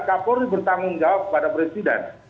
kak polri bertanggung jawab prada presiden